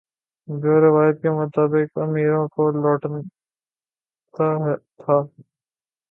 جو روایت کے مطابق امیروں کو لوٹتا تھا